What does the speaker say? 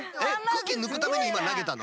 空気ぬくためにいまなげたの？